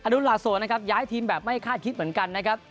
รุนลาโสนะครับย้ายทีมแบบไม่คาดคิดเหมือนกันนะครับ